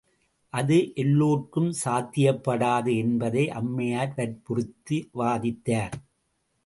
அது எல்லோர்க்கும் சாத்தியப்படாது என்பதை அம்மையார் வற்புறுத்தி வாதித்தார்.